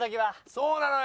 そうなのよ。